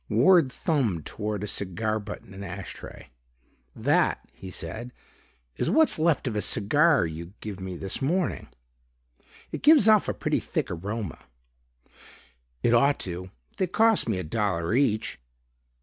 Ward thumbed toward a cigar butt in an ash tray. "That," he said, "is what's left of a cigar you give me this morning. It gives off a pretty thick aroma." "It ought to. They cost me a dollar each."